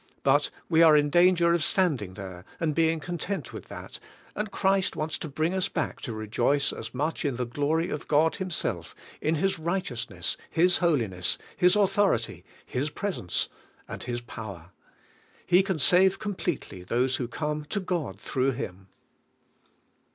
But we are in danger of standing there, and being content Vv'ith that, and Christ wants to bring us back to rejoice as much as in the glory of God Himself, in His righteousness, His holiness. His authority. His presence and His power. He can save completely those who come to God through Him!